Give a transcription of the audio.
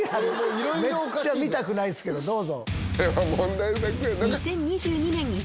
めっちゃ見たくないっすけどどうぞ。